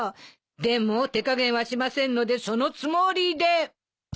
でも手加減はしませんのでそのつもりで！